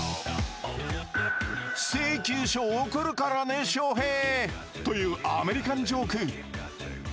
「請求書を送るからね翔平」というアメリカンジョーク。